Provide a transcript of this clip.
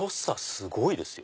すごいですよ。